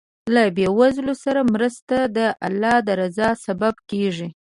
له بېوزلو سره مرسته د الله د رضا سبب کېږي.